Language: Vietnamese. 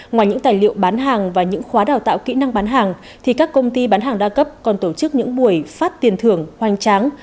ngoài những tài liệu bán hàng và những khóa đào tạo kỹ năng bán hàng các công ty bán hàng đa cấp còn tổ chức những buổi phát tiền thưởng hoành tráng